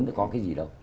nó có cái gì đâu